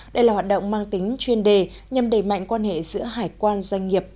đây là hoạt động mang tính chuyên đề nhằm đẩy mạnh quan hệ giữa hải quan doanh nghiệp